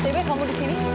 sebaiknya kamu di sini